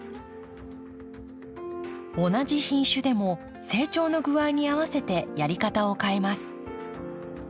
同じ品種でも成長の具合に合わせてやり方を変えます。